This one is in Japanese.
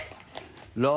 ６。